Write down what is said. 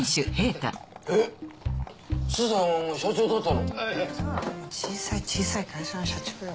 もう小さい小さい会社の社長だよ。